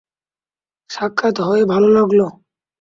সাক্ষাৎ হয়ে ভালো লাগলো!